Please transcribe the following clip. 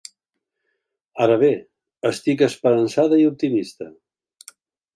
Ara bé, estic esperançada i optimista.